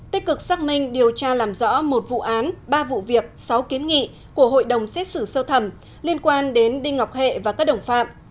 tích cực xác minh điều tra làm rõ một vụ án ba vụ việc sáu kiến nghị của hội đồng xét xử sơ thẩm liên quan đến đinh ngọc hệ và các đồng phạm